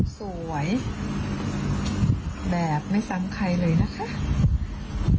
สวยแบบไม่ซ้ำใครเลยนะคะ